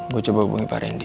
mau coba hubungi pak randy